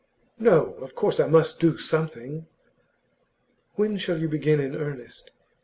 'No; of course I must do something.' 'When shall you begin in earnest?